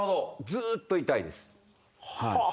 ずっと痛いです。はあ。